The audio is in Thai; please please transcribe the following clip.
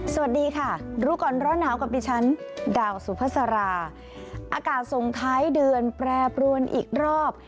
สวัสดีค่ะรู้ก่อนร้อนหนาวกับดิฉันดาวสุภาษาราอากาศส่งท้ายเดือนแปรปรวนอีกรอบ